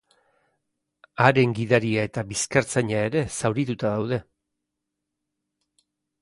Haren gidaria eta bizkartzaina ere zaurituta daude.